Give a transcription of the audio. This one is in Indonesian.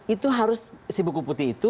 itu harus si buku putih itu